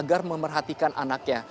agar memerhatikan anaknya